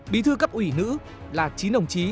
bí thư cấp ủy nữ là chín đồng chí